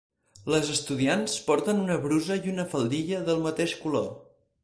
Les estudiants porten una brusa i una faldilla del mateix color.